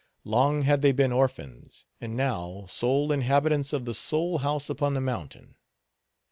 Long had they been orphans, and now, sole inhabitants of the sole house upon the mountain.